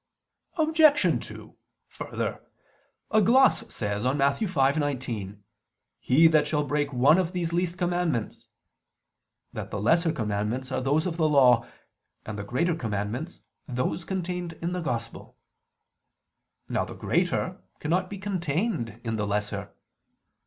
Obj. 2: Further, a gloss says on Matt. 5:19, "He that shall break one of these least commandments," that the lesser commandments are those of the Law, and the greater commandments, those contained in the Gospel. Now the greater cannot be contained in the lesser.